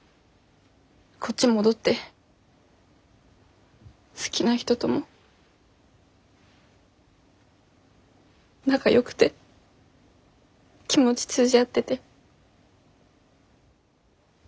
こっち戻って好きな人とも仲よくて気持ち通じ合ってて結婚も。